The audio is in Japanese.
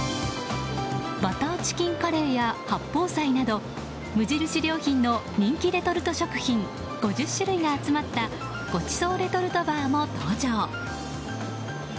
バターチキンカレーや八宝菜など無印良品の人気レトルト食品５０種類が集まったごちそうレトルトバーも登場。